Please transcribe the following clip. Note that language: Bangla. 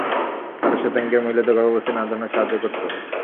তারা শেতাঙ্গ মহিলাদের গর্ভাবস্থায় নানা ধরনের সাহায্য করত।